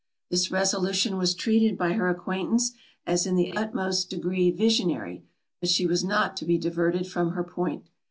This resolution was treated by her acquaintance as in the utmost degree visionary; but she was not to be diverted from her point.